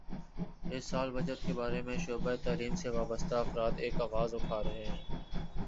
اس سال بجٹ کے بارے میں شعبہ تعلیم سے وابستہ افراد ایک آواز اٹھا رہے ہیں